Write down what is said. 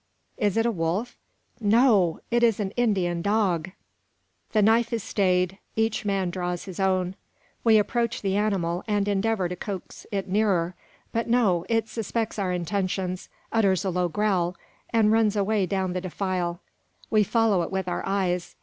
Is it a wolf? No. It is an Indian dog! The knife is stayed; each man draws his own. We approach the animal, and endeavour to coax it nearer. But no; it suspects our intentions, utters a low growl, and runs away down the defile. We follow it with our eyes.